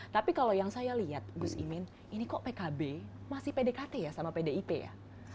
tapi kalau yang saya lihat gus imin ini kok pkb masih pdkt ya sama pdip ya